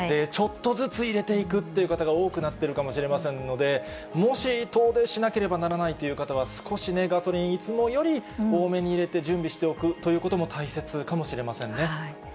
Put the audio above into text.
ちょっとずつ入れていくという方が多くなっているかもしれませんので、もし遠出しなければならないという方は、少しガソリン、いつもより多めに入れて準備しておくということも大切かもしれませんね。